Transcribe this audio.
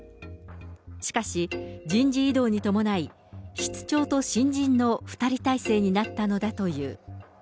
しかし、人事異動に伴い、室長と新人の２人体制になったのだという。